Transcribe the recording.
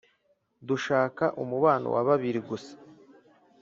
dushaka umubano wa babiri gusa